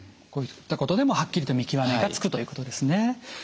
こういったことでもはっきりと見極めがつくということですね。